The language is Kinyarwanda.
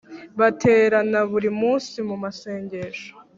baterana buri munsi mu masengesho,